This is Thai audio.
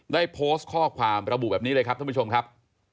ได้โพสต์ข้อความระบุแบบนี้เลยครับท่านผู้ชมครับ